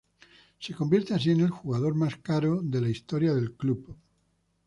Se convierte así en el jugador más caro de la historia del club.